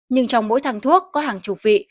nhưng trong mỗi thằng thuốc có hàng chục vị